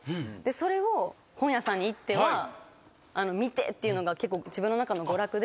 それを本屋さんに行っては見てっていうのが結構自分の中の娯楽で。